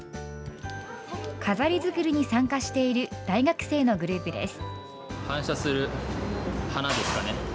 飾り作りに参加している大学生のグループです。